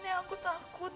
nenek aku takut